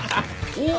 お！